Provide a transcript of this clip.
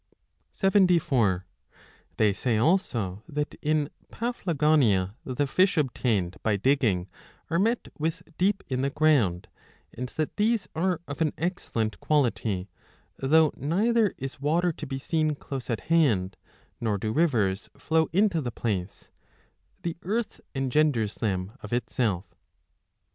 74 They say also that in Paphlagonia the fish obtained by digging are met with deep in the ground, and that these 25 are of an excellent quality, though neither is water to be seen close at hand, nor do rivers flow into the place ; the earth engenders them of itself.